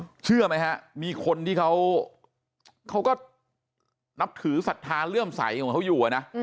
เชื่อไหมฮะมีคนที่เขาเขาก็นับถือศรัทธาเลื่อมใสของเขาอยู่นะ